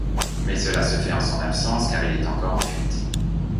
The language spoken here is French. Mais cela se fait en son absence car il est encore en fuite.